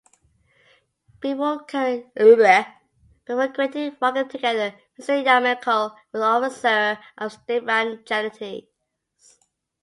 Before creating "Walking Together", Mr Yakimenko was the overseer of state-run charities.